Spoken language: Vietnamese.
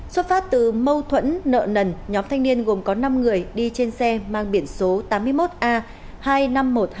xuất phát từ mâu thuẫn nợ nần nhóm thanh niên gồm có năm người đi trên xe mang biển số tám mươi một a hai mươi năm nghìn một trăm hai mươi tám